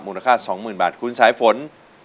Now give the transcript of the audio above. สู้หรือจะหยุดค่ะคุณสายฝน